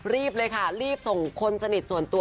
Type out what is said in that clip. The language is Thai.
รีบเลยค่ะรีบส่งคนสนิทส่วนตัว